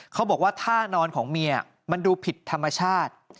เขาบอกว่าท่านอนของเมียมันดูผิดธรรมชาติ